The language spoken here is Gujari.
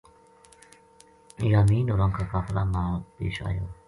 یامین ہوراں کا قافلہ نال پیش آیو